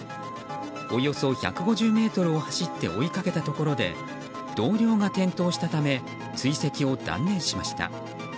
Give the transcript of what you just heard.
およそ１５０ｍを走って追いかけたところで同僚が転倒したため追跡を断念しました。